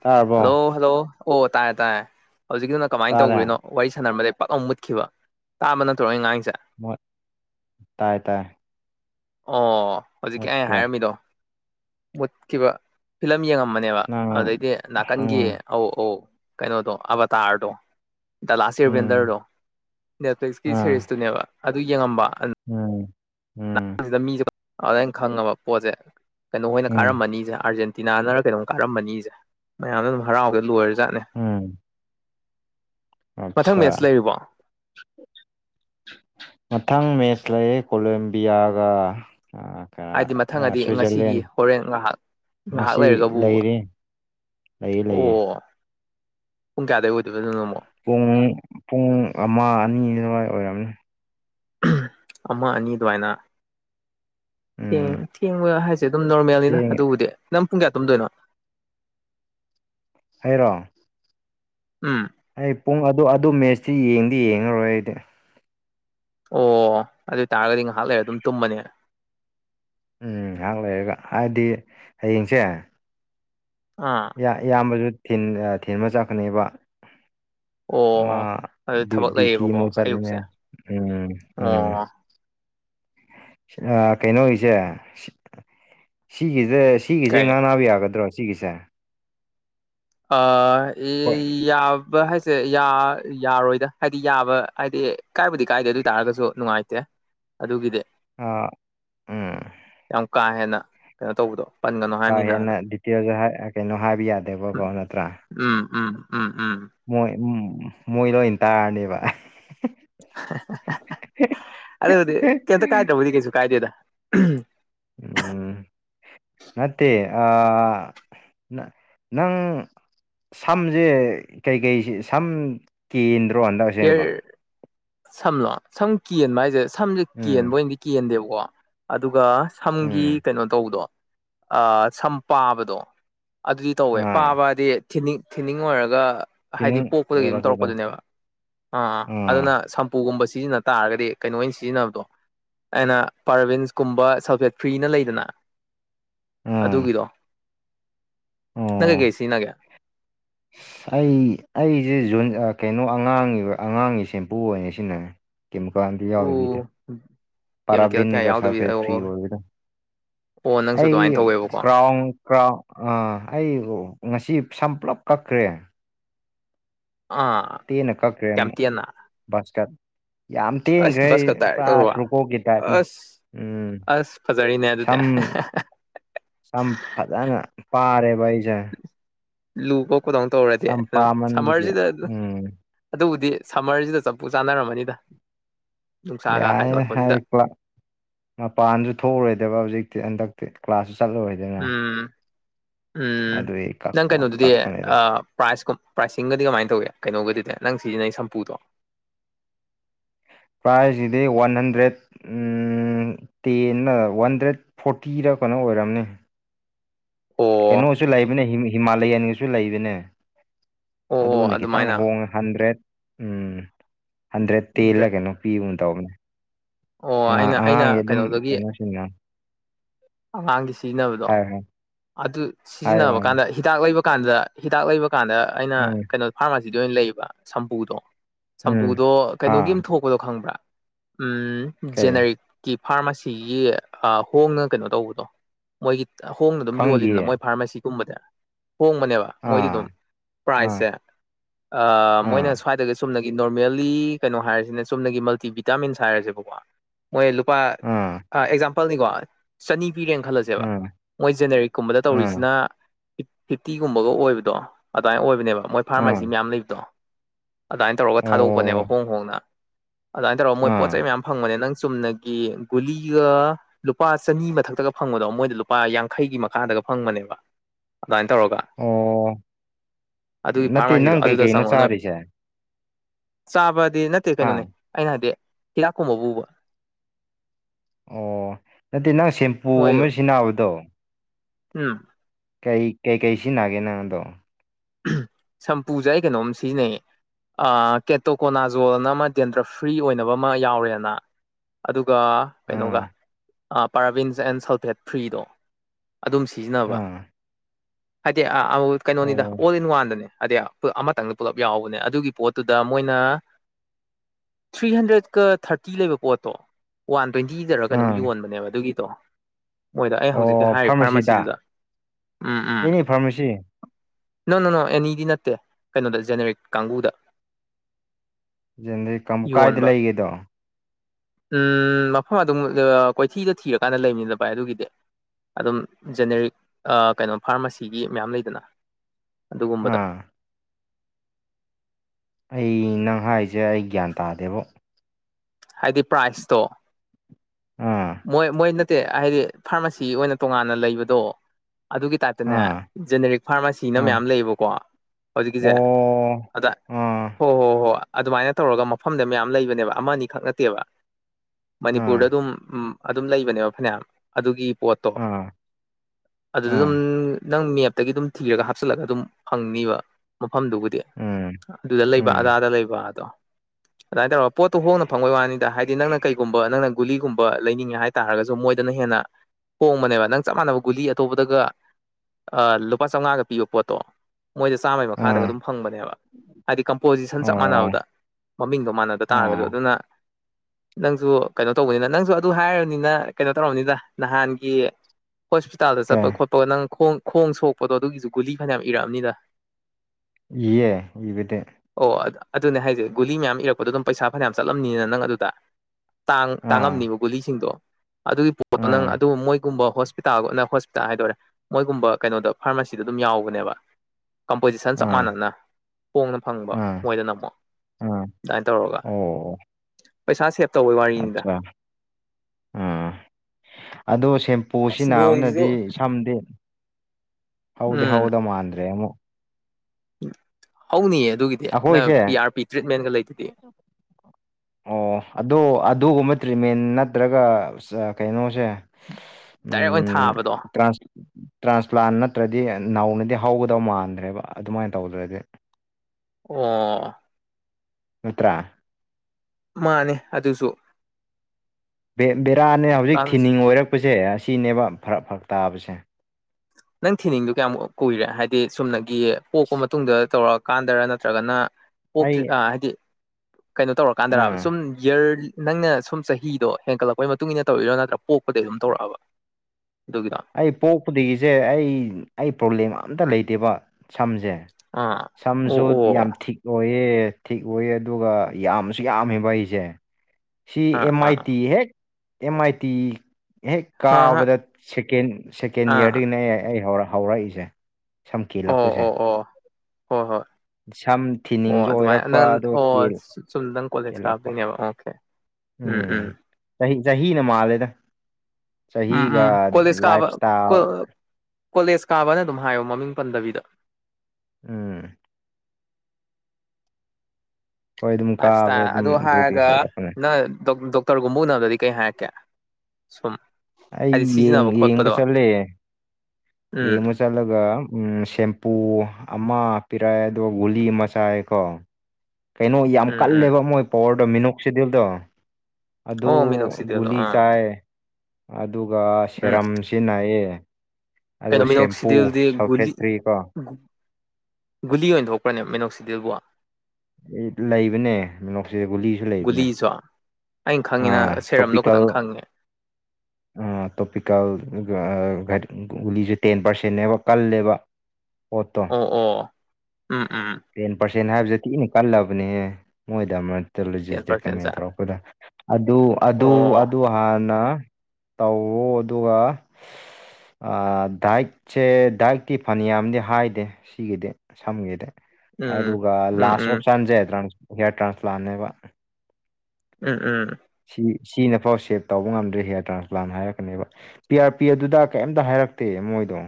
ꯇꯥꯔꯕꯣ hello hello ꯑꯣ ꯇꯥꯔꯦ ꯇꯥꯔꯦ ꯍꯧꯖꯤꯛꯀꯤꯗꯨꯅ ꯀꯃꯥꯏꯅ ꯇꯥꯔꯦ ꯇꯧꯈ꯭ꯔꯤꯅꯣ ꯋꯥꯔꯤ ꯁꯥꯟꯅꯔꯝꯕꯗꯩ ꯄꯛ ꯑꯃ ꯃꯨꯠꯈꯤꯕ ꯇꯥꯕ ꯅꯠꯇ꯭ꯔꯣ ꯑ ꯉꯉꯥꯡꯁꯦ ꯃꯣꯏ ꯇꯥꯏ ꯇꯥꯏ ꯑꯣ ꯍꯧꯖꯤꯛꯀꯤ ꯑꯩꯅ ꯃꯨꯠꯈ꯭ꯔꯦ ꯍꯥꯏꯔꯝꯃꯤꯗꯣ ꯃꯨꯠꯈꯤꯕ ꯐꯤꯂꯝ ꯌꯦꯡꯉꯝꯕꯅꯦꯕ ꯅꯪ ꯑꯗꯨꯗꯩꯗꯤ ꯅꯥꯀꯟꯒꯤ ꯎꯝ ꯑꯧ ꯑꯧ ꯀꯩꯅꯣꯗꯣ ꯑꯕꯇꯥꯔꯗꯣ ꯗꯂꯥꯥꯁ ꯎꯝ ꯏꯚꯦꯟꯗꯔꯗꯣ ꯅꯦꯠꯐ꯭ꯂꯤꯛꯁꯀꯤ ꯑꯥ ꯁꯦꯔꯤꯁꯇꯨꯅꯦꯕ ꯑꯗꯨ ꯌꯦꯡꯉꯝꯕ ꯎꯝ ꯎꯝ ꯅꯍꯥꯡꯁꯤꯗ ꯃꯤꯁꯦ ꯑꯗꯨꯥꯏꯅ ꯈꯪꯉꯕ ꯄꯣꯠꯁꯦ ꯀꯩꯅꯣ ꯍꯣꯏꯅ ꯎꯝ ꯀꯥꯔꯝꯃꯅꯤꯁꯦ ꯑꯥꯔꯖꯦꯟ ꯇꯤꯅꯥꯟꯅꯔ ꯀꯩꯝ ꯀꯥꯔꯝꯝꯕꯅꯤꯁꯦ ꯃꯌꯥꯝꯅ ꯑꯗꯨꯝ ꯍꯔꯥꯎꯗꯦ ꯂꯣꯏꯔꯖꯥꯠꯅꯦ ꯃꯊꯪ ꯑꯆꯥ ꯃꯦꯠꯁ ꯂꯩꯔꯤꯕꯣ [inaudible] ꯃꯊꯪ ꯃꯦꯠꯆ ꯂꯩ ꯀꯣꯂꯝꯕꯤꯌꯥꯒ ꯍꯥꯏꯗꯤ ꯃꯊꯪꯗꯤ ꯉꯁꯤꯒꯤ ꯁ꯭ꯋꯤꯖꯔꯂꯦꯟ ꯍꯣꯔꯦꯟ ꯉꯥꯏꯍꯥꯛ ꯉ ꯉꯥꯏꯍꯥꯛ ꯂꯩꯔꯒꯕꯨꯕ ꯂꯩꯔꯤ ꯂꯩꯌꯦ ꯂꯩꯌꯦ ꯑꯣ ꯄꯨꯡ ꯀꯌꯥꯗꯩ ꯑꯣꯏꯗꯣꯏꯕꯅꯣꯃꯣ ꯄꯨꯡ ꯄꯨꯡ ꯑꯃ ꯑꯅꯤ ꯑꯗꯨꯋꯥꯥꯏ ꯑꯣꯏꯔꯝꯅꯤ ꯑꯃ ꯑꯅꯤ ꯑꯗꯨꯃꯥꯏꯅ ꯎꯝ ꯊꯦꯡꯕ ꯍꯥꯏ ꯁꯤ ꯑꯗꯨꯝ ꯅꯣꯔꯃꯦꯜꯅꯤꯅ ꯊꯦꯡꯉꯦ ꯑꯗꯨꯕꯨꯗꯤ ꯅꯪ ꯄꯨꯡ ꯀꯌꯥ ꯇꯨꯝꯗꯣꯏꯅꯣ ꯍꯔꯣ ꯎꯝ ꯑꯩ ꯄꯨꯡ ꯑꯗꯨ ꯑꯗꯨ ꯃꯦꯠꯁꯇꯤ ꯌꯦꯡꯗꯤ ꯌꯦꯡꯉꯔꯣꯏ ꯑꯩꯗꯤ ꯑꯣ ꯑꯗꯨ ꯑꯣꯏꯇꯥꯥꯔꯒꯗꯤ ꯉꯥꯏꯍꯥꯛ ꯂꯩꯔ ꯑꯗꯨꯝ ꯇꯨꯝꯕꯅꯦ ꯎꯝ ꯍꯥꯛ ꯂꯩꯔꯒ ꯍꯥꯏꯗꯤ ꯍꯌꯦꯡꯁꯦ ꯑꯥ ꯏꯌꯥꯝꯕꯁꯨ ꯊ ꯊꯤꯟꯕ ꯆꯥꯛꯈꯠꯅꯩꯑꯕ ꯑꯣ ꯃꯥ ꯑꯗꯨ ꯊꯕꯛ ꯗ꯭ꯌꯨꯇꯤ ꯂꯩꯌꯦꯕꯀꯣ ꯃ ꯆꯅꯦ ꯑꯌꯨꯛꯁꯦ ꯎꯝ ꯎꯝ ꯑꯣ ꯀꯩꯅꯣꯒꯤꯁꯦ ꯁꯤꯒꯤꯁꯦ ꯁꯤꯒꯤꯁꯦ ꯀꯩ ꯉꯥ ꯅꯥꯕ ꯌꯥꯒꯗ꯭ꯔꯣ ꯁꯤꯒꯤꯁꯦ ꯑ ꯑꯩꯈꯣꯏ ꯌꯥ ꯕ ꯍꯥꯏꯁꯦ ꯌꯥꯔꯣꯏꯗ ꯍꯥꯏꯗꯤ ꯌꯥꯕ ꯍꯥꯏꯗꯤ ꯀꯥꯏꯕꯨꯗꯤ ꯀꯥꯏꯗꯦ ꯑꯗꯨꯏ ꯇꯥꯔꯒꯁꯨ ꯅꯨꯡꯉꯥꯏꯇꯦ ꯑꯗꯨꯒꯤꯗꯤ ꯑ ꯎꯝ ꯌꯥꯝ ꯀꯥ ꯍꯦꯟꯅ ꯀꯩꯅꯣ ꯇꯧꯕꯗꯣ ꯄꯟꯒꯅꯣ ꯀꯥ ꯍꯥꯏꯕꯅꯤꯅ ꯍꯦꯟꯅ ꯍꯥꯟꯅ ꯗꯤꯇꯦꯜꯗ ꯀꯩꯅꯣ ꯍꯥꯏꯕ ꯌꯥꯗꯦꯕꯀꯣ ꯅꯠꯇ꯭ꯔꯥ ꯎꯝ ꯎꯝ ꯎꯝ ꯎꯝ ꯃꯣꯏ ꯎꯝ ꯃꯣꯏ ꯂꯣꯏ ꯇꯥꯔꯅꯦꯕ ꯑꯗꯨꯕꯨꯗꯤ ꯀꯩꯝꯇ ꯀꯥꯏꯗ꯭ꯔꯕꯨꯗꯤ ꯀꯩꯁꯨ ꯀꯥꯏꯗꯦꯗ ꯎꯝ [inaudible] ꯅꯠꯇꯦ ꯑꯥ ꯅꯪ ꯁꯝꯖꯦ ꯀꯩ ꯀꯩꯁꯦ ꯁꯝ ꯀꯦꯟꯗ꯭ꯔꯣ ꯍꯟꯗꯛ ꯑꯁꯦꯡꯕ ꯍꯌꯔ ꯁꯝꯂꯣ ꯁꯝ ꯀꯦꯟꯕ ꯍꯥꯏꯖꯦ ꯁꯝꯖꯦ ꯎꯝ ꯀꯦꯟꯕ ꯑꯣꯏꯅꯗꯤ ꯀꯦꯟꯗꯦꯕꯀꯣ ꯑꯗꯨꯒ ꯁꯝꯒꯤ ꯎꯝ ꯀꯩꯅꯣ ꯇꯧꯕꯗꯣ ꯑꯥ ꯁꯝ ꯄꯥꯕꯗꯣ ꯑꯗꯨꯗꯤ ꯇꯧꯋꯦ ꯑꯥ ꯄꯥꯕ ꯍꯥꯏꯗꯤ ꯊꯤꯅꯤꯡ ꯊꯤꯅꯤꯡ ꯑꯣꯏꯔꯒ ꯍꯥꯏꯗꯤ ꯇ꯭ꯔꯦꯅꯤꯡ ꯄꯣꯛꯄꯗꯒꯤ ꯑꯗꯨꯝ ꯂꯣꯏꯔꯛꯄꯗꯣ ꯇꯧꯔꯛꯄꯗꯨꯅꯦꯕ ꯑꯥ ꯑꯗꯨꯅ ꯁꯝꯄꯨꯒꯨꯝꯕ ꯁꯤꯖꯤꯟꯅ ꯇꯥꯔꯒꯗꯤ ꯀꯩꯅꯣ ꯑꯣꯏꯅ ꯁꯤꯖꯤꯟꯅꯕꯗꯣ ꯑꯩꯅ ꯄꯥꯔꯕꯤꯟꯁꯀꯨꯝꯕ ꯁꯜꯐꯦꯠ ꯐ꯭ꯔꯤꯅ ꯂꯩꯗꯅ ꯑꯥ ꯑꯗꯨꯒꯤꯗꯣ ꯅꯪ ꯀꯩ ꯑꯣ ꯀꯩ ꯁꯤꯖꯤꯟꯅꯒꯦ ꯑꯩ ꯑꯩꯖꯦ ꯖꯣꯏꯟ ꯑ ꯀ ꯩꯅꯣ ꯑꯉꯥꯡꯒꯤ ꯑꯉꯥꯡꯒꯤ ꯁꯦꯝꯄꯨ ꯑꯣꯏꯅ ꯁꯤꯖꯤꯟꯅꯔꯦ꯫ [unintelligible] ꯑꯣ ꯀꯦꯃꯤꯀꯦꯜ ꯀꯌꯥ ꯄꯔꯥꯕꯤꯟꯒ ꯌꯥꯎꯗꯕꯤ ꯁꯜꯐꯦꯠ ꯐ꯭ꯔꯤ ꯑꯣꯏꯕꯗꯣ ꯑꯣ ꯅꯪꯁꯨ ꯑꯩ ꯑꯗꯨꯃꯥꯏꯅ ꯇꯧꯋꯦꯕꯀꯣ ꯀ꯭ꯔꯥꯎꯟ ꯀꯔꯥꯎ ꯑꯥ ꯑꯩ ꯉꯁꯤ ꯁꯝ ꯄꯨꯂꯞ ꯀꯛꯈ꯭ꯔꯦ ꯑꯥ ꯇꯦꯅ ꯀꯛꯈ꯭ꯔꯦ ꯌꯥꯝ ꯑꯃꯨꯛ ꯇꯦꯟꯅ ꯕꯥꯁꯀꯠ ꯌꯥꯝ ꯇꯦꯟꯒ꯭ꯔꯦ ꯑꯁ ꯑꯩ ꯕꯁꯀ ꯗꯥꯏꯔꯦꯛ ꯄꯨꯔꯥ ꯇꯧꯔꯨꯕ ꯇꯔꯨꯛ ꯀꯣꯛꯀꯤ ꯇꯥꯏꯞꯅꯦ ꯑꯁ ꯎꯝ ꯑꯁ ꯐꯖꯔꯤꯅꯦ ꯑꯗꯨꯗꯤ ꯁꯝ ꯁꯝ ꯐꯖꯅ ꯄꯥꯔꯦꯕ ꯑꯩꯁꯦ ꯂꯨꯀꯣꯛꯄꯗꯧ ꯇꯧꯔꯗꯤ ꯁꯝ ꯑꯗꯨꯝ ꯄꯥꯃꯟꯕꯒꯤ ꯁꯝꯃꯔꯁꯖꯤꯗ ꯎꯝ ꯑꯗꯨꯕꯨꯗꯤ ꯁꯝꯃꯔꯖꯤꯗ ꯆꯞꯄꯨ ꯆꯥꯟꯅꯔꯝꯃꯅꯤꯗ ꯌꯥꯏꯅ ꯍꯥꯏꯔꯛꯄ ꯃꯄꯥꯟꯖꯨ ꯊꯣꯛꯎꯔꯣꯏꯗꯕ ꯍꯧꯖꯤꯛꯇꯤ ꯍꯟꯗꯛꯇꯤ ꯀ꯭ꯂꯥꯁꯁꯨ ꯆꯠꯂꯨꯔꯣꯏꯗ ꯎꯝ ꯎꯝ ꯑꯗꯨꯒꯤ ꯅꯪ ꯀꯛꯄ ꯀꯩꯅꯣꯗꯨꯗꯤ ꯀꯛꯄꯅꯤꯗ ꯑ ꯄ꯭ꯔꯥꯏꯁꯀꯨꯝ ꯄ꯭ꯔꯥꯏꯁꯤꯡꯒꯗꯤ ꯀꯃꯥꯏ ꯇꯧꯋꯏ ꯀꯩꯅꯣꯒꯗꯨꯗꯤ ꯅꯪ ꯁꯤꯖꯤꯟꯅꯩ ꯁꯝꯄꯨꯗꯣ ꯄ꯭ꯔꯥꯏꯖꯁꯤꯗꯤ ꯋꯥꯟ ꯍꯟꯗ꯭ꯔꯦꯠ ꯎꯝ ꯇꯦꯟꯅ ꯋꯥꯟꯗ꯭ꯔꯦꯠ ꯐꯣꯔꯇꯤꯔ ꯀꯩꯅꯣꯝ ꯑꯣꯏꯔꯝꯅꯤ꯫ ꯑꯣ ꯀꯩꯅꯣꯁꯨ ꯂꯩꯕꯅꯦ ꯍꯤꯃꯥ ꯍꯤꯃꯥꯂꯌꯥꯟꯒꯤꯁꯨ ꯂꯩꯕꯅꯦ ꯑꯣ ꯑꯣ ꯑꯗꯨꯅ ꯈꯤꯇꯪ ꯑꯗꯨꯃꯥꯏꯅ ꯍꯣꯡꯉꯦ꯫ ꯍꯟꯗ꯭ꯔꯦꯠ ꯎꯝ ꯍꯟꯗ꯭ꯔꯦꯠ ꯇꯦꯜꯂ ꯀꯩꯅꯣꯝ ꯄꯤꯒꯨꯝ ꯇꯧꯕꯅꯦ꯫ ꯑꯣ ꯑꯉꯥꯡ ꯑꯩꯅ ꯑꯩꯅ ꯑꯉꯥꯡꯒꯤ ꯑꯗꯨꯝ ꯀꯩꯅꯣꯗꯒꯤ ꯀꯩꯅꯣꯁꯤꯡꯅ ꯑꯉꯥꯡꯒꯤ ꯁꯤꯖꯤꯟꯅꯕꯗꯣ ꯍꯥꯏ ꯑꯗꯨ ꯍꯥꯏꯌꯣ ꯁꯤꯖꯤꯟꯅꯕ ꯍꯥꯏꯌꯣ ꯀꯥꯟꯗ ꯍꯤꯗꯥꯛ ꯂꯩꯕꯀꯥꯟꯗ ꯍꯤꯗꯥꯛ ꯂꯩꯕꯀꯥꯟꯗ ꯑꯩꯅ ꯎꯝ ꯀꯩꯅꯣ ꯐꯥꯔꯃꯥꯁꯤꯗ ꯑꯣꯏꯅ ꯂꯩꯕ ꯁꯝꯄꯨꯗꯣ ꯎꯝ ꯁꯝꯄꯨꯗꯣ ꯀꯩꯅꯣꯒꯤ ꯑꯥ ꯑꯃ ꯊꯣꯛ ꯄꯗꯣ ꯈꯪꯕ꯭ꯔꯥ ꯎꯝ ꯀꯩ ꯖꯦꯅꯔꯤꯛ ꯇꯤ ꯐꯥꯔꯃꯥꯁꯤꯒꯤ ꯑꯥ ꯍꯣꯡꯅ ꯀꯩꯅꯣ ꯇꯧꯕꯗꯣ ꯃꯣꯏꯒꯤ ꯍꯣꯡꯅ ꯑꯗꯨꯝ ꯌꯣꯜꯂꯤꯗꯅ ꯈꯪꯗꯤꯌꯦ ꯃꯣꯏ ꯐꯥꯔꯃꯥꯁꯤꯒꯨꯝꯕꯗꯤ ꯍꯣꯡꯕꯅꯦꯕ ꯃꯣꯏꯗꯤ ꯑꯥ ꯑꯗꯨꯝ ꯑꯥ ꯄ꯭ꯔꯥꯏꯁꯦ ꯑ ꯑꯥ ꯃꯣꯏꯅ ꯁ꯭ꯋꯥꯏꯗꯒ ꯆꯨꯝꯅꯒꯤ ꯅꯣꯔꯃꯦꯜꯂꯤ ꯀꯩꯅꯣ ꯍꯥꯏꯔꯁꯤꯅꯦ ꯆꯨꯝꯅꯒꯤ ꯃꯜꯇꯤꯚꯕꯤꯇꯥꯃꯤꯟꯁ ꯍꯥꯏꯔꯁꯤꯕ ꯀꯣ꯫ ꯃꯣꯏ ꯂꯨꯄꯥ ꯑꯥ ꯑꯦꯛꯖꯥꯝꯄꯜꯅꯤꯀꯣ ꯆꯅꯤ ꯄꯤꯔꯦꯅ ꯈꯜꯂꯁꯦꯕ ꯑꯥ ꯃꯣꯏ ꯖꯦꯅꯦꯔꯤꯛꯀꯨꯝꯕꯗ ꯑꯥ ꯇꯧꯔꯤꯁꯤꯅ ꯐꯤꯐꯇꯤꯒꯨꯝꯕꯒ ꯑꯣꯏꯕꯗꯣ ꯑꯗꯨꯃꯥꯏ ꯑꯣꯏꯕꯅꯦꯕ ꯃꯣꯏ ꯑꯥ ꯐꯥꯔꯃꯥꯁꯤꯒ ꯃꯌꯥꯝ ꯂꯩꯕꯗꯣ ꯑꯗꯥꯏꯟ ꯇꯧꯔꯒ ꯊꯥꯗꯣꯛꯄꯅꯦꯕ ꯑꯣ ꯍꯣꯡ ꯍꯣꯡꯅ ꯑꯗꯥꯏꯟ ꯇꯧꯔꯥ ꯃꯣꯏ ꯄꯣꯠ ꯆꯩ ꯑꯥ ꯃꯌꯥꯝ ꯐꯪꯕꯅꯦ ꯅꯪ ꯆꯨꯝꯅꯒꯤ ꯒꯨꯂꯤꯒ ꯂꯨꯄꯥ ꯆꯅꯤ ꯃꯊꯛꯇꯒ ꯐꯪꯕꯗꯣ ꯃꯣꯏꯗ ꯂꯨꯄꯥ ꯌꯥꯡꯈꯩꯒꯤ ꯃꯈꯥꯗꯒ ꯐꯪꯕꯅꯦꯕ ꯑꯗꯨꯃꯥꯏ ꯇꯧꯔꯒ ꯑꯣ ꯑꯗꯨꯒꯤ ꯅꯠꯇꯦ ꯐꯥꯔꯃꯥꯁꯤꯗꯣ ꯅꯪ ꯀꯩ ꯑꯗꯨꯗ ꯀꯩꯅꯣ ꯆꯪꯉꯣꯅꯛ ꯆꯥꯔꯤꯁꯦ ꯆꯥꯕꯗꯤ ꯅꯠꯇꯦ ꯀꯩꯅꯣꯅꯦ ꯍꯥ ꯑꯩꯅ ꯍꯥꯏꯗꯤ ꯀꯣꯃꯕꯨꯕ ꯑꯣ ꯅꯠꯇꯦ ꯅꯪ ꯁꯦꯝꯄꯨ ꯃꯣꯏ ꯑꯃ ꯁꯤꯖꯤꯟꯅꯕꯗꯣ ꯎꯝ ꯀꯔꯤ ꯀꯩꯀꯩ ꯁꯤꯖꯤꯟꯅꯒꯦ ꯅꯪ ꯑꯗꯣ ꯁꯝꯄꯨꯖꯦ ꯑꯩ ꯀꯩꯅꯣꯝ ꯁꯤꯖꯤꯟꯅꯩꯌꯦ ꯀꯦꯇꯣꯀꯣꯅꯥꯖꯣꯅ ꯑꯃ ꯗꯦꯟꯇ꯭ꯔ ꯐ꯭ꯔꯤ ꯑꯣꯏꯅꯕ ꯑꯃ ꯌꯥꯎꯔꯦꯅ ꯑꯗꯨꯒ ꯀꯩꯅꯣꯒ ꯑꯥ ꯑꯥ ꯄꯔꯥꯕꯤꯟꯁ ꯑꯦꯟ ꯁꯜꯐꯦꯠ ꯐ꯭ꯔꯤꯗꯣ ꯑꯗꯨꯝ ꯁꯤꯖꯤꯟꯅꯕ ꯑꯥ ꯍꯥꯏꯗꯤ ꯑꯃ ꯀꯩꯅꯣꯅꯤꯗ ꯑꯣ ꯑꯣꯜ ꯋꯥꯟꯗꯅꯦ ꯑꯥꯗꯤ ꯑꯃꯇꯪꯗ ꯄꯨꯂꯞ ꯌꯥꯎꯕꯅꯦ ꯑꯗꯨꯒꯤ ꯄꯣꯠꯇꯨꯗ ꯃꯣꯏꯅ ꯊ꯭ꯔꯤ ꯍꯟꯗ꯭ꯔꯦꯗꯀꯥ ꯊꯥꯔꯇꯤ ꯂꯩꯕ ꯄꯣꯠꯇꯣ ꯋꯥꯟ ꯇ꯭ꯋꯦꯟꯇꯤꯗꯥꯔ ꯀꯩꯅꯣꯝ ꯑꯥ ꯌꯣꯟꯕꯅꯦꯕ ꯑꯗꯨꯒꯤꯗꯣ ꯃꯣꯏꯗ ꯑ ꯍꯧꯖꯤꯛꯁꯦ ꯑꯣ ꯍꯥꯏꯔꯤꯕ ꯐꯥꯔꯃꯥꯁꯤꯗ ꯐꯥꯔꯃꯥꯁꯤꯗꯨꯗ ꯎꯝ ꯎꯝ ꯑꯦꯅꯤ ꯐꯥꯔꯃꯥꯁꯤ ꯅꯣ ꯅꯣ ꯅꯣ ꯑꯦꯅꯤꯗꯤ ꯅꯠꯇꯦ ꯀꯩꯅꯣꯗ ꯖꯦꯅꯦꯔꯤꯛ ꯀꯥꯡꯕꯨꯗ ꯖꯦꯅꯦꯔꯤꯛ ꯀꯥꯡꯕꯨ ꯀꯥꯏꯗ ꯌꯣꯟꯕ ꯂꯩꯒꯦꯗꯣ ꯎꯝ ꯃꯐꯝ ꯑꯗꯨꯝ ꯀꯣꯏꯊꯤꯗ ꯊꯤꯔꯀꯥꯟꯗ ꯂꯩꯃꯤꯅꯤꯅ ꯚꯥꯏ ꯑꯗꯨꯒꯤꯗꯤ ꯑꯗꯨꯝ ꯖꯦꯅꯦꯔꯤꯛ ꯑꯥ ꯀꯩꯅꯣ ꯐꯥꯔꯃꯥꯁꯤꯒꯤ ꯃꯌꯥꯝ ꯂꯩꯗꯅ ꯑꯗꯨꯒꯨꯝꯕꯗ ꯑꯥ ꯑꯩ ꯅꯪ ꯍꯥꯏꯁꯦ ꯑꯩ ꯒ꯭ꯌꯥꯟ ꯇꯥꯗꯦꯕꯣ ꯍꯥꯏꯗꯤ ꯄ꯭ꯔꯥꯏꯖꯇꯣ ꯑꯥ ꯃꯣꯏ ꯃꯣꯏ ꯅꯠꯇꯦ ꯍꯥꯏꯗꯤ ꯐꯥꯔꯃꯥꯁꯤ ꯑꯣꯏꯅ ꯇꯣꯉꯥꯟꯅ ꯂꯩꯕꯗꯣ ꯑꯗꯨꯒꯤ ꯇꯥꯇꯅꯦ ꯑꯥ ꯖꯦꯅꯦꯔꯤꯛ ꯐꯥꯔꯃꯥꯁꯤꯅ ꯑꯥ ꯃꯌꯥꯝ ꯂꯩꯌꯦꯕꯀꯣ ꯍꯧꯖꯤꯛꯀꯤꯁꯦ ꯑꯣ ꯑꯗ ꯑꯥ ꯍꯣ ꯍꯣꯏ ꯍꯣꯏ ꯑꯗꯨꯃꯥꯏꯅ ꯇꯧꯔꯒ ꯃꯐꯝꯗ ꯃꯌꯥꯝ ꯂꯩꯕꯅꯦꯕ ꯑꯃ ꯑꯅꯤꯈꯛ ꯅꯠꯇꯦꯕ ꯑꯥ ꯃꯅꯤꯄꯨꯔꯗ ꯑꯗꯨꯝ ꯑꯗꯨꯝ ꯂꯩꯕꯅꯦꯕ ꯐꯅꯌꯥꯝ ꯑꯗꯨꯒꯤ ꯄꯣꯠꯇꯣ ꯑꯥ ꯑꯗꯨꯗ ꯑꯗꯨꯝ ꯑꯥ ꯅꯪ ꯃꯦꯞꯇꯒꯤ ꯑꯗꯨꯝ ꯊꯤꯔꯒ ꯍꯥꯞꯆꯤꯜꯂꯒ ꯑꯗꯨꯝ ꯐꯪꯅꯤꯕ ꯃꯐꯝꯗꯨꯕꯨꯗꯤ ꯎꯝ ꯑꯗꯨꯗ ꯂꯩꯕ ꯎꯝ ꯑꯗꯥꯗ ꯂꯩꯕ ꯑꯗꯣ ꯑꯗꯨꯃꯥꯏꯅ ꯇꯧꯔꯒ ꯄꯣꯠꯇꯣ ꯍꯣꯡꯅ ꯐꯪꯕꯩ ꯋꯥꯅꯤꯗ ꯍꯥꯏꯗꯤ ꯅꯪꯅ ꯀꯩꯒꯨꯝꯕ ꯅꯪꯅ ꯒꯨꯂꯤꯒꯨꯝꯕ ꯂꯩꯅꯤꯡꯉꯦ ꯍꯥꯏ ꯇꯥꯔꯒꯁꯨ ꯃꯣꯏꯗꯅ ꯍꯦꯟꯅ ꯍꯣꯡꯕꯅꯦꯕ ꯅꯪ ꯆꯞ ꯃꯥꯟꯅꯕ ꯒꯨꯂꯤ ꯑꯇꯣꯞꯄꯗꯒ ꯂꯨꯄꯥ ꯆꯥꯝꯃꯉꯥꯒ ꯄꯤꯕ ꯄꯣꯠꯇꯣ ꯃꯣꯏꯗ ꯆꯥꯝꯃꯩ ꯃꯈꯥꯗꯒ ꯑꯥ ꯑꯗꯨꯝ ꯐꯪꯕꯅꯦꯕ ꯍꯥꯏꯗꯤ ꯀꯝꯄꯣꯖꯤꯁꯟ ꯆꯞ ꯑꯣ ꯃꯥꯟꯅꯕꯗ ꯃꯃꯤꯡꯗꯣ ꯃꯥꯟꯅꯗ ꯇꯥꯔꯒꯁꯨ ꯑꯥ ꯑꯗꯨꯅ ꯅꯪꯁꯨ ꯀꯩꯅꯣ ꯇꯧꯕꯅꯤꯅ ꯅꯪꯁꯨ ꯑꯗꯨ ꯍꯥꯏꯅꯤꯅ ꯀꯩꯅꯣ ꯇꯧꯔꯕꯅꯤꯅ ꯅꯍꯥꯟꯒꯤ ꯍꯣꯁꯄꯤꯇꯥꯜꯗ ꯆꯠꯄ ꯀꯩ ꯈꯣꯠꯄꯒ ꯅꯪꯣꯡ ꯈꯣꯡ ꯁꯣꯛꯄꯗꯣ ꯑꯗꯨꯒꯤꯁꯨ ꯒꯨꯂꯤ ꯐꯅꯌꯥꯝ ꯏꯔꯛꯑꯝꯅꯤꯗ ꯏꯌꯦ ꯏꯕꯨꯗꯤ ꯑꯣ ꯑꯗꯨꯅꯦ ꯍꯥꯏꯁꯦ ꯒꯨꯂꯤ ꯃꯌꯥꯝ ꯏꯔꯛꯄꯗꯣ ꯑꯗꯨꯝ ꯄꯩꯁꯥ ꯐꯅꯌꯥꯝ ꯆꯠꯂꯝꯅꯤꯅꯤꯅ ꯅꯪ ꯑꯗꯨꯗ ꯇꯥꯡ ꯑꯥ ꯇꯥꯡꯉꯝꯅꯤꯕ ꯒꯨꯂꯤꯁꯤꯡꯗꯣ ꯑꯗꯨꯒꯤ ꯄꯣꯠꯇꯣ ꯅꯪ ꯑꯥ ꯑꯗꯨ ꯃꯣꯏ ꯒꯨꯝꯕ ꯍꯣꯁꯄꯤꯇꯥꯜꯒꯅ ꯍꯣꯁꯄꯤꯇꯥꯜ ꯍꯥꯏꯗꯔꯦ ꯃꯣꯏꯒꯨꯝꯕ ꯀꯩꯅꯣꯗ ꯐꯥꯔꯃꯥꯁꯤꯗ ꯑꯗꯨꯝ ꯌꯥꯎꯕꯅꯦꯕ ꯀꯝꯄꯣꯖꯤꯁꯟ ꯆꯞ ꯑꯥ ꯃꯥꯟꯅꯅ ꯍꯣꯡꯅ ꯐꯪꯕ ꯑꯥ ꯃꯣꯏꯗꯅ ꯑꯃꯨꯛ ꯑꯥ ꯑꯗꯨꯃꯥꯏꯅ ꯇꯧꯔꯒ ꯑꯣ ꯄꯩꯁꯥ ꯁꯦꯞ ꯇꯧꯕꯩ ꯋꯥꯔꯤꯅꯤꯗ ꯎꯝ ꯑꯗꯣ ꯁꯦꯝꯄꯨ ꯑꯁ ꯅꯣꯡꯁꯤꯁꯨ ꯁꯤꯖꯤꯅꯥꯕꯅꯗꯤ ꯁꯝꯗꯤ ꯍꯧꯗꯤ ꯎꯝ ꯍꯧꯗꯧ ꯃꯥꯟꯗ꯭ꯔꯦ ꯑꯃꯨꯛ ꯍꯧꯅꯤꯑ ꯑꯗꯨꯒꯤꯗꯤ ꯅꯪ ꯑꯩꯈꯣꯏꯁꯦ ꯄꯤ ꯑꯥꯔ ꯄꯤ ꯇ꯭ꯔꯤꯠꯃꯦꯟꯒ ꯂꯩꯗꯨꯗꯤ ꯑꯣ ꯑꯗꯣ ꯑꯗꯨꯒꯨꯝꯕ ꯇ꯭ꯔꯤꯠꯃꯦꯟ ꯅꯠꯇ꯭ꯔꯒ ꯀꯩꯅꯣꯁꯦ [inaudible] ꯎꯝ ꯊꯥꯕꯗꯣ ꯇ꯭ꯔꯥꯁ ꯇ꯭ꯔꯥꯟꯁꯄ꯭ꯂꯥꯟ ꯅꯠꯇ꯭ꯔꯗꯤ ꯅꯧꯅꯗꯤ ꯍꯧꯒꯗꯧ ꯃꯥꯟꯗ꯭ꯔꯦꯕ ꯑꯗꯨꯃꯥꯏꯅ ꯇꯧꯗ꯭ꯔꯗꯤ ꯑꯣ ꯅꯠꯇ꯭ꯔꯥ ꯃꯥꯅꯤ ꯑꯗꯨꯁꯨ ꯕꯦꯔꯥꯅꯦ ꯍꯧꯖꯤꯛ ꯊꯤꯅꯤꯡ ꯑꯣꯏꯔꯛꯄꯁꯦ ꯑꯁꯤꯅꯦꯕ ꯐꯔꯛ ꯐꯔꯛ ꯇꯥꯕꯁꯦ ꯅꯪ ꯊꯤꯅꯤꯡꯗꯨ ꯀꯌꯥꯝꯃꯨꯛ ꯀꯨꯏꯔꯦ ꯍꯥꯏꯗꯤ ꯁꯨꯝꯅꯒꯤ ꯄꯣꯛꯄ ꯃꯇꯨꯡꯗ ꯇꯧꯔ ꯀꯥꯟꯗꯔ ꯅꯠꯇ꯭ꯔꯒꯅ ꯑꯩ ꯄꯣꯛꯇ꯭ꯔꯤ ꯍꯥꯏꯗꯤ ꯀꯩꯅꯣ ꯇꯧꯔꯀꯥꯟꯗꯕ ꯑꯥ ꯁꯨꯝ ꯌꯔ ꯅꯪꯅ ꯁꯨꯝ ꯆꯍꯤꯗꯣ ꯍꯦꯟꯀꯠꯂꯛꯄꯒꯤ ꯃꯇꯨꯡ ꯏꯟꯅ ꯇꯧꯔꯤꯔꯣ ꯅꯠꯇ꯭ꯔ ꯄꯣꯛꯄꯗꯒꯤ ꯁꯨꯝ ꯇꯧꯔꯛꯑꯕ ꯑꯗꯨꯒꯤꯗꯣ ꯑꯩ ꯄꯣꯛꯄꯗꯒꯤꯁꯦ ꯑꯩ ꯑꯩ ꯄ꯭ꯔꯣꯕ꯭ꯂꯦꯝ ꯑꯝꯇ ꯂꯩꯇꯦꯕ ꯁꯝꯁꯦ ꯑꯥ ꯑꯣ ꯁꯝꯁꯨ ꯑꯣ ꯌꯥꯝ ꯊꯤꯛ ꯑꯣꯏꯌꯦꯦ ꯊꯤꯛ ꯑꯣꯏꯑ ꯑꯗꯨꯒ ꯌꯥꯝꯅꯁꯨ ꯌꯥꯝꯃꯦꯕ ꯑꯩꯁꯦ ꯁꯤ ꯑꯥ ꯑꯦꯝ ꯑꯥꯏ ꯑꯥ ꯇꯤ ꯍꯦꯛ ꯑꯦꯝ ꯑꯥꯏ ꯇꯤ ꯍꯦꯛ ꯍꯥ ꯍꯥ ꯀꯥꯕꯗ ꯁꯦꯀꯦꯟ ꯁꯦꯀꯦꯟ ꯑꯥ ꯏꯌꯥꯔꯗꯒꯤꯅꯦ ꯑꯩ ꯑꯩ ꯍꯧꯔꯛꯏꯁꯦ ꯁꯝ ꯑꯣ ꯀꯦꯂꯛꯄꯁꯦ ꯑꯣ ꯑꯣ ꯍꯣꯏ ꯍꯣꯏ ꯁꯝ ꯊꯤꯅꯤꯡꯁꯨ ꯑꯣꯏꯔꯛꯄ ꯑꯗꯨꯒꯤ ꯁꯨꯜꯗꯟ ꯀꯂꯦꯖ ꯀꯥꯕꯅꯦ ꯑꯣꯀꯦ ꯎꯝ ꯆꯍꯤ ꯆꯍꯤꯅ ꯃꯥꯜꯂꯦꯗ ꯎꯝ ꯆꯍꯤꯍꯤꯒ ꯎꯝ ꯀꯣꯂꯦꯖ ꯀꯥꯕ ꯂꯥꯏꯐ ꯏꯁꯇ ꯀꯣꯂꯦꯖ ꯀꯥꯕꯅ ꯑꯗꯨꯝ ꯍꯥꯏꯌꯣ ꯃꯃꯤꯡ ꯄꯟꯗꯕꯤꯗ ꯎꯝ ꯍꯣꯏ ꯑꯗꯨꯝ ꯑꯠꯇ ꯀꯥꯕꯗ ꯑꯗꯨꯝ ꯑꯗꯨ ꯑꯗꯨꯗꯤ ꯍꯥꯏꯒ ꯍꯧꯔꯛꯄꯅꯦ ꯏ ꯇꯧꯔꯒꯨꯝꯕ ꯎꯅꯕꯗꯗꯤ ꯀꯩ ꯍꯥꯏꯔꯛꯀꯦ ꯁꯨꯝ ꯑꯩ ꯍꯥꯏꯗꯤ ꯌꯦꯡ ꯁꯤꯖꯤꯟꯅꯕ ꯌꯦꯡꯕ ꯈꯣꯠꯄꯗꯣ ꯆꯠꯂꯦ ꯎꯝ ꯌꯦꯡꯕ ꯆꯠꯂꯒ ꯎ ꯁꯦꯝꯄꯨ ꯑꯃ ꯄꯤꯔꯛꯑꯦ ꯑꯗꯨꯒ ꯒꯨꯂꯤ ꯑꯃ ꯆꯥꯏ ꯀꯣ ꯀꯩꯅꯣ ꯌꯥꯝ ꯎꯝ ꯎꯝ ꯀꯜꯂꯦꯕ ꯃꯣꯏ ꯄꯋꯥꯔꯗꯣ ꯃꯤꯅꯣꯛ ꯁꯦꯗꯨꯜꯗꯣ ꯑꯗꯨ ꯑꯣ ꯃꯤꯅꯣꯛꯁꯤꯗꯤꯜꯗꯣ ꯒꯨꯂꯤ ꯑꯥ ꯆꯥꯏ ꯑꯗꯨꯒ ꯁꯦꯔꯝ ꯁꯤꯖꯤꯟꯅꯩꯌꯦ ꯑꯗꯨ ꯁꯦꯝꯄꯨ ꯀꯩꯅꯣꯃꯅꯤꯁꯤꯗꯤꯗꯤ ꯁꯜꯐꯦꯠ ꯒꯨꯜꯂꯤ ꯐ꯭ꯔꯤ ꯀꯣ ꯒꯨꯂꯤ ꯑꯣꯏꯅ ꯊꯣꯛꯣꯛꯈ꯭ꯔꯅꯦꯕ ꯃꯅꯣꯛꯁꯤꯗꯦꯜꯕꯣ ꯑꯩ ꯂꯩꯕꯅꯦ ꯃꯤꯂꯣꯛꯁꯤꯗ ꯒꯨꯂꯤꯁꯨ ꯂꯩꯕꯅꯦ ꯒꯨꯂꯤꯁꯨ ꯑꯩꯅ ꯈꯪꯉꯤꯅ ꯑꯥ ꯁꯦꯔꯝꯗꯣ ꯇꯣꯄꯤꯀꯦꯜ ꯈꯇꯪ ꯈꯪꯉꯤꯅꯦ ꯇꯣꯄꯤꯀꯦꯜ ꯒꯨꯂꯤꯁꯦ ꯇꯦꯟ ꯄꯥꯔꯁꯦꯟꯅꯦꯕ ꯀꯜꯂꯦꯕ ꯄꯣꯠꯇꯣ ꯑꯣ ꯑꯣ ꯎꯝ ꯎꯝ ꯇꯦꯟ ꯄꯥꯔꯁꯦꯟ ꯍꯥꯏꯕꯁꯦ ꯊꯤꯅ ꯀꯜꯂꯕꯅꯤꯍꯦ ꯃꯣꯏꯗ ꯑꯃ ꯦꯟ ꯇꯦꯟ ꯄꯥꯔꯁꯦꯟꯁꯦ ꯇꯧꯔꯛꯄꯗ ꯑꯣ ꯍꯥꯟꯅ ꯇꯧꯋ ꯑꯗꯨꯒ ꯗꯥꯏꯠꯁꯦ ꯗꯥꯏꯛꯇꯤ ꯐꯅꯌꯥꯝꯗꯤ ꯍꯥꯏꯗꯦ ꯁꯤꯒꯤꯗꯤ ꯁꯝꯈꯤꯗ ꯎꯝ ꯎꯝ ꯑꯗꯨꯒ ꯎꯝ ꯂꯥꯁ ꯑꯣꯞꯁꯟꯁꯦ ꯍꯦꯌꯥꯔ ꯇ꯭ꯔꯥꯟꯁꯄ꯭ꯂꯥꯟꯅꯦꯕ ꯎꯝ ꯎꯝ ꯁꯤ ꯁꯤꯅꯐꯥꯎ ꯁꯦꯞ ꯇꯧꯕ ꯉꯝꯗ꯭ꯔꯦ ꯍꯤꯌꯥꯔ ꯇ꯭ꯔꯥꯟꯁꯄ꯭ꯂꯥꯟ ꯍꯥꯏꯔꯛꯀꯅꯦꯕ ꯄꯤ ꯑꯥꯔ ꯄꯤ ꯑꯗꯨꯗ ꯀꯩꯝꯇ ꯍꯥꯏꯔꯛꯇꯦ ꯃꯣꯏꯗꯣ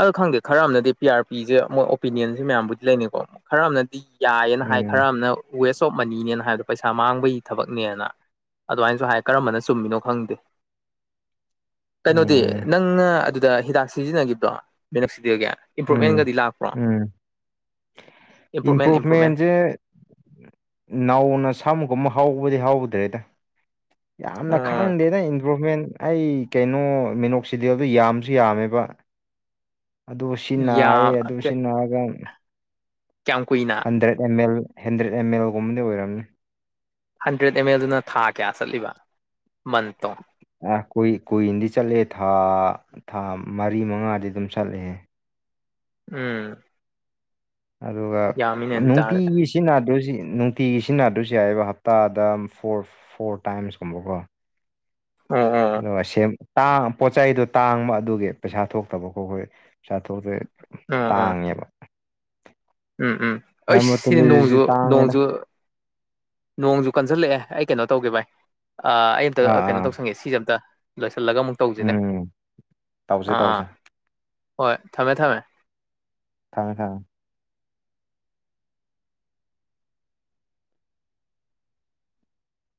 ꯑꯣ ꯈꯪꯗꯦ ꯈꯔ ꯑꯃꯅꯗꯤ ꯄꯤ ꯑꯥꯔ ꯄꯤꯤꯁꯦ ꯃꯣꯏ ꯑꯣꯄꯤꯅꯤꯌꯟꯁꯦ ꯃꯌꯥꯝꯕꯨꯗꯤ ꯂꯩꯅꯤꯀꯣ ꯈꯔ ꯑꯃꯅꯗꯤ ꯌꯥꯏꯌꯦꯅ ꯍꯥꯏ ꯎꯝ ꯈꯔ ꯑꯃꯅ ꯋꯦꯁ ꯑꯣꯐ ꯃꯅꯤꯅꯦꯅ ꯍꯥꯏꯕꯗꯣ ꯄꯩꯁꯥ ꯃꯥꯡꯕꯒꯤ ꯊꯕꯛꯅꯦꯅ ꯑꯗꯨꯃꯥꯏꯅꯁꯨ ꯍꯥꯏ ꯀꯔꯝꯕꯅ ꯆꯨꯝꯃꯤꯅꯣ ꯈꯪꯗꯦ ꯀꯩꯅꯣꯗꯤ ꯎꯝ ꯅꯪꯅ ꯑꯗꯨꯗ ꯍꯤꯗꯥꯛ ꯁꯤꯖꯤꯟꯅꯈꯤꯕ꯭ꯔꯣ ꯃꯅꯛ ꯁꯤꯕꯤꯒꯦ ꯎꯝ ꯎꯝ ꯏꯝꯄ꯭ꯔꯨꯞꯃꯦꯟ ꯏꯝꯄ꯭ꯔꯨꯞꯃꯦꯟ ꯏꯝꯄ꯭ꯔꯨꯚꯃꯦꯟꯁꯦ ꯅꯅꯥꯧꯅ ꯁꯥꯃꯨꯒꯨꯝꯕ ꯍꯥꯎꯕꯗꯤ ꯍꯥꯎꯗ꯭ꯔꯦꯗ ꯌꯥꯝꯅ ꯎꯝ ꯈꯪꯗꯦ ꯅꯪ ꯏꯟꯄ꯭ꯔꯣꯚꯃꯦꯟ ꯑꯩ ꯀꯩꯅꯣ ꯃꯤꯅꯣꯛꯁꯤꯗꯦꯜꯗꯣ ꯌꯥꯝꯁꯨ ꯌꯥꯝꯃꯦꯕ ꯑꯗꯨ ꯁꯤ ꯅꯥꯌꯦ ꯌꯥꯝ ꯑꯗꯨ ꯁꯤ ꯅꯥꯔꯒ ꯀꯌꯥꯝ ꯀꯨꯏꯅ hundred M L hundred M ꯑꯦꯜꯒꯨꯝꯕꯗꯤ ꯑꯣꯏꯔꯝꯅꯤ ꯍꯟꯗ꯭ꯔꯦꯗ ꯑꯦꯝ ꯑꯦꯜꯗꯨꯅ ꯊꯥ ꯀꯌꯥ ꯆꯠꯂꯤꯕ ꯃꯟꯠꯇꯣ ꯑ ꯀꯨꯏ ꯀꯨꯏꯅꯗꯤ ꯆꯠꯂꯦ ꯊꯥ ꯊꯥ ꯃꯔꯤ ꯃꯉꯥꯗꯤ ꯑꯗꯨꯝ ꯆꯠꯂꯦ ꯎꯝ ꯑꯗꯨꯒ ꯌꯥꯝꯃꯤꯅꯦ ꯑꯗꯨ ꯇꯥꯔꯗꯤ ꯅꯨꯡꯇꯤꯒꯤ ꯁꯤꯖꯤꯟꯅꯗꯁꯤ ꯅꯨꯡꯇꯤꯒꯤ ꯁꯤꯖꯤꯟꯅꯗꯁꯨ ꯌꯥꯏꯑꯕ ꯍꯞꯇꯥꯗ ꯐꯣꯔ ꯐꯣꯔ ꯇꯥꯏꯝꯁꯀꯨꯝꯕꯀꯣ ꯑꯣ ꯑꯗꯨꯒ ꯄꯣꯠ ꯆꯩꯗꯣ ꯇꯥꯡꯕ ꯑꯗꯨꯒꯤ ꯄꯩꯁꯥ ꯊꯣꯛꯇꯕꯀꯣ ꯑꯩꯈꯣꯏ ꯄꯩꯁꯥ ꯊꯣꯛꯇ꯭ꯔꯦ ꯎꯝ ꯎꯝ ꯇꯥꯡꯉꯦꯕ ꯎꯝ ꯎꯝ ꯑꯩ ꯁꯤꯅꯤ ꯅꯣꯡꯖꯨ ꯗꯔꯃꯥꯇꯣꯂꯣꯖꯤꯁꯤ ꯇꯥꯡꯉꯦꯗ ꯅꯣꯡꯖꯨ ꯅꯣꯡꯖꯨ ꯀꯟꯓꯜꯂꯛꯑꯦ ꯑꯩ ꯀꯩꯅꯣ ꯇꯧꯒꯦ ꯚꯏ ꯑꯩ ꯑꯥ ꯑꯃꯝꯇ ꯀꯩꯅꯣ ꯑꯥ ꯇꯧꯁꯪꯒꯦ ꯁꯤꯁꯦ ꯑꯝꯇ ꯂꯣꯏꯁꯤꯜꯂꯒ ꯑꯃꯨꯛ ꯇꯧꯁꯤꯅꯦ ꯎꯝ ꯇꯧꯁꯦ ꯑꯥ ꯑꯥ ꯇꯧꯁꯦ ꯍꯣꯏ ꯊꯝꯃꯦ ꯊꯝꯃꯦ ꯊꯪꯃꯦ ꯊꯃꯦ